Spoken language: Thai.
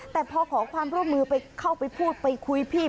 แต่พอขอความร่วมมือไปเข้าไปพูดไปคุยพี่